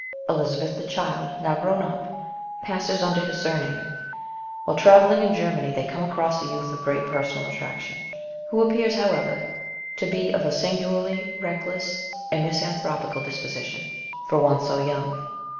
Elizabeth, the child, now grown up, passes under his surname. While travelling in Germany they come across a youth of great personal attraction, who appears, however, to be of a singu larly reckless and misanthropical disposition for one so young.